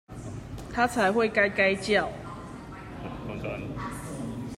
他才會該該叫！